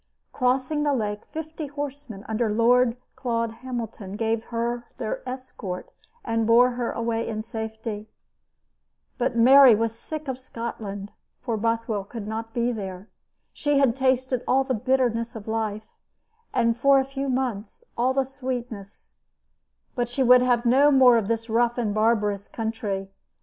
Crossing the lake, fifty horsemen under Lord Claude Hamilton gave her their escort and bore her away in safety. But Mary was sick of Scotland, for Bothwell could not be there. She had tasted all the bitterness of life, and for a few months all the sweetness; but she would have no more of this rough and barbarous country.